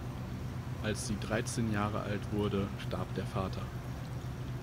Als sie dreizehn Jahre alt wurde, starb der Vater.